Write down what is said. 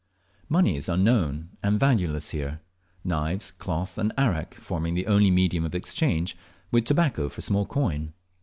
Money is unknown and valueless here knives, cloth, and arrack forming the only medium of exchange, with tobacco for small coin.